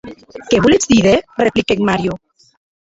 Qué voletz díder?, repliquèc Mario.